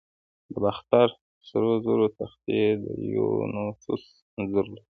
د باختر سرو زرو تختې د دیونوسوس انځور لري